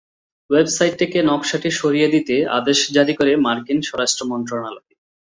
Website থেকে নকশাটি সরিয়ে নিতে আদেশ জারি করে মার্কিন স্বরাষ্ট্র মন্ত্রণালয়।